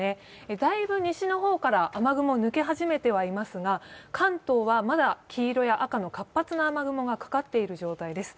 だいぶ西の方から雨雲、抜け始めていますが関東はまだ黄色や赤の活発な雨雲がかかっている状態です。